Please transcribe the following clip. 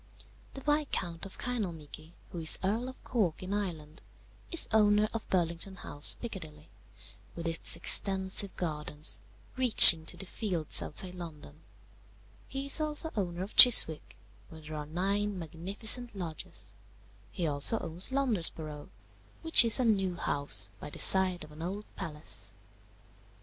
"The Viscount of Kinalmeaky, who is Earl of Cork, in Ireland, is owner of Burlington House, Piccadilly, with its extensive gardens, reaching to the fields outside London; he is also owner of Chiswick, where there are nine magnificent lodges; he also owns Londesborough, which is a new house by the side of an old palace.